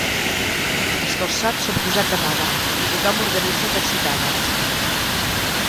Els calçots s'han posat de moda i tothom organitza calçotades.